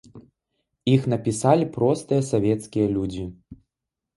Іх напісалі простыя савецкія людзі.